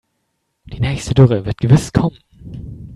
Die nächste Dürre wird gewiss kommen.